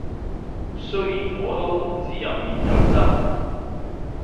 雖然我都唔知入面有汁